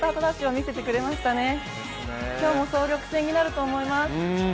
今日も総力戦になると思います。